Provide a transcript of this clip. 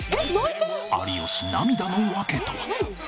有吉涙の訳とは？